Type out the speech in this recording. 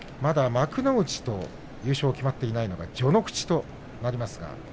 幕内と優勝が決まっていないのが序ノ口となります。